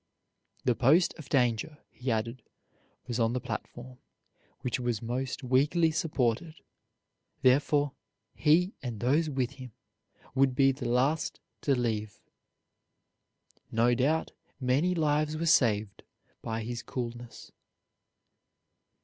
The post of danger, he added, was on the platform, which was most weakly supported, therefore he and those with him would be the last to leave. No doubt many lives were saved by his coolness.